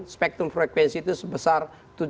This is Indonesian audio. spektrum frekuensi itu sebesar